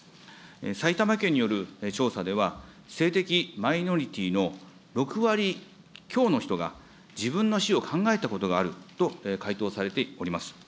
埼玉県による調査では、性的マイノリティーの６割強の人が、自分の死を考えたことがあると回答されております。